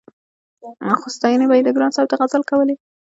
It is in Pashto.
خو ستاينې به يې د ګران صاحب د غزل کولې-